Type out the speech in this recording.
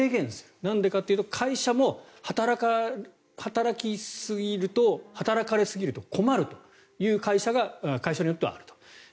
なんでかっていうと会社側も働かれすぎると困るというのが会社によってはあると。